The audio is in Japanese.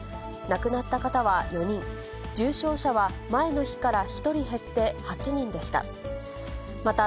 亡くなった方は４人、重症者は前の日から１人減って８人でした。